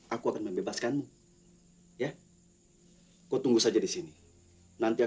aku akan menghadapi dia